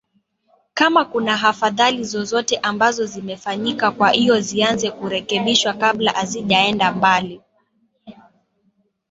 kama kunahafadhali zozote ambazo zimefanyika kwa hiyo zianze kurekebishwa kabla hazijaenda mbali